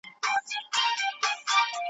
دوهم زوى سو را دمخه ويل پلاره .